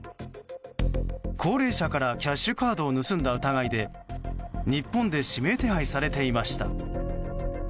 高齢者からキャッシュカードを盗んだ疑いで日本で指名手配されていました。